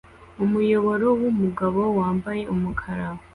Umuyobora wumugabo wambaye umukara